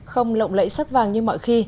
không lộng lẫy sắc vàng như mọi khi